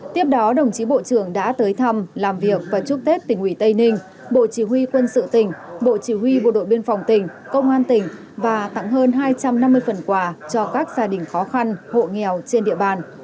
tiếp đó đồng chí bộ trưởng đã tới thăm làm việc và chúc tết tỉnh ủy tây ninh bộ chỉ huy quân sự tỉnh bộ chỉ huy bộ đội biên phòng tỉnh công an tỉnh và tặng hơn hai trăm năm mươi phần quà cho các gia đình khó khăn hộ nghèo trên địa bàn